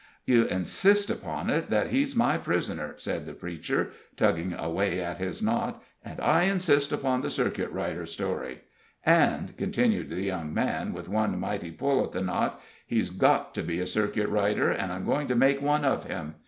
"You insist upon it that he's my prisoner," said the preacher, tugging away at his knot, "and I insist upon the circuit rider story. And," continued the young man, with one mighty pull at the knot, "he's got to be a circuit rider, and I'm going to make one of him.